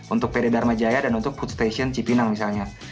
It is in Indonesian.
untuk pd dharma jaya dan untuk food station cipinang misalnya